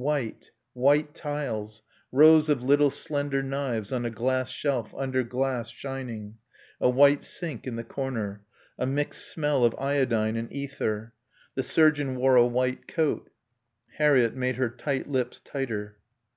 White tiles. Rows of little slender knives on a glass shelf, under glass, shining. A white sink in the corner. A mixed smell of iodine and ether. The surgeon wore a white coat. Harriett made her tight lips tighter.